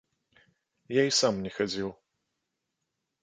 Я і сам не хадзіў.